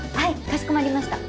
かしこまりました。